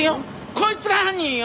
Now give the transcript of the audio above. こいつが犯人よ！